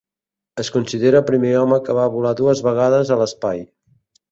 Es considera el primer home que va volar dues vegades a l'espai.